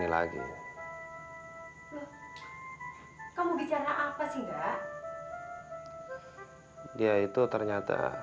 m nyobain baik baik saja